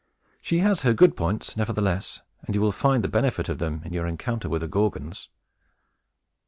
She has her good points, nevertheless; and you will find the benefit of them, in your encounter with the Gorgons."